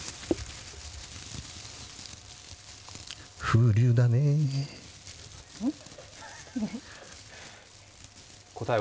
風流だねえ。